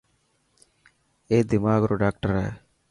اي دماغ رو ڊاڪٽر هي.